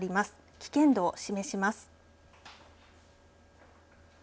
危険度を示します。